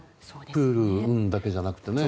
プールだけじゃなくてね。